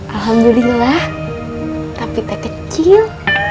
alhamdulillah tapi teh kecil